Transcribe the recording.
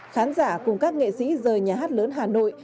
khán giả cùng các nghệ sĩ rời nhà hát lớn hà nội